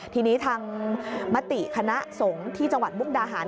ทีนี้ทางมติคณะสงฆ์ที่จังหวัดมุกดาหาร